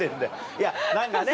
いや何かね